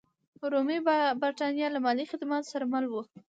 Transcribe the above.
رومي برېټانیا له مالي خدماتو سره مل وه.